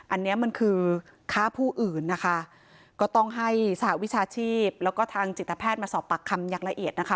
อันนี้มันคือฆ่าผู้อื่นนะคะก็ต้องให้สหวิชาชีพแล้วก็ทางจิตแพทย์มาสอบปากคำอย่างละเอียดนะคะ